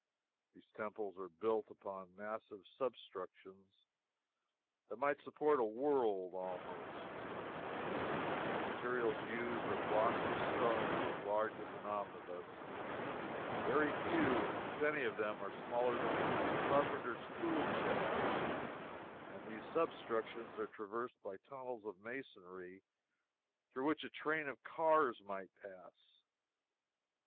These temples are built upon massive substructions that might support a world, almost; the materials used are blocks of stone as large as an omnibus very few, if any of them, are smaller than a carpenter's tool chest and these substructions are traversed by tunnels of masonry through which a train of cars might pass.